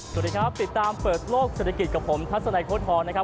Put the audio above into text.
สวัสดีครับติดตามเปิดโลกเศรษฐกิจกับผมทัศนัยโค้ดทรนะครับ